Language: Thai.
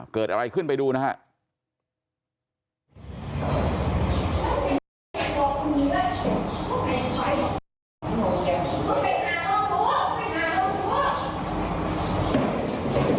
เกิดอะไรขึ้นไปดูนะครับ